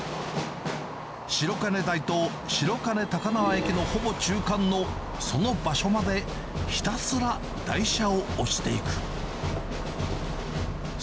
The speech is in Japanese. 白金台と白金高輪駅のほぼ中間のその場所まで、ひたすら台車を押していく。